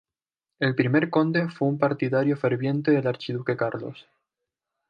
El primer conde fue un partidario ferviente del Archiduque Carlos.